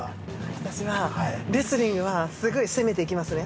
◆私は、レスリングは攻めていきますね。